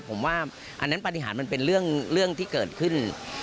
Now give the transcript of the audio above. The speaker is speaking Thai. ผมว่าอันนั้นปฏิหารมันเป็นเรื่องที่เกิดขึ้น